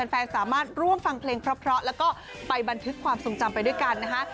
แฟนสามารถร่วมฟังเพลงเพราะแล้วก็ไปบันทึกความทรงจำไปด้วยกันนะคะ